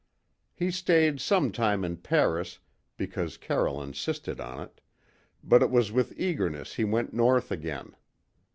He stayed some time in Paris, because Carroll insisted on it, but it was with eagerness he went north again.